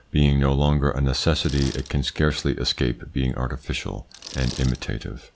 Being no longer a necessity, it can scarcely escape being artificial and imitative.